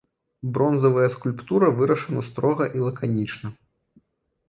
Бронзавая скульптура вырашана строга і лаканічна.